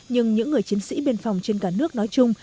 nhưng những người chiến sĩ biên phòng trên cả nước nói chung